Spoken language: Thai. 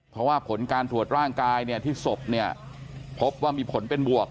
เพราะว่าผลการตรวจร่างกายที่ศพเนี่ยพบว่ามีผลเป็นบวก